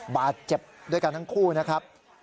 บาดเจ็บด้วยกันทั้งคู่นะครับ